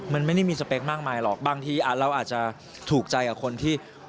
มันไม่ได้มีสเปคมากมายหรอกบางทีเราอาจจะถูกใจกับคนที่